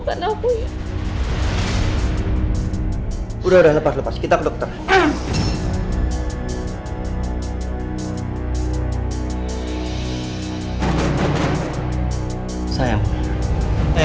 nuclearek cara tolong lepaskan kamu dari